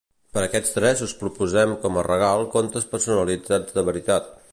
Per aquests tres us proposem com a regal contes personalitzats de veritat.